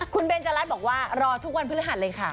คุณเบนจรัสบอกว่ารอทุกวันพฤหัสเลยค่ะ